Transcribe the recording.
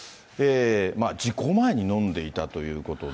事故前に飲んでいたということで。